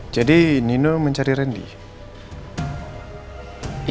jadi nino mencari rendy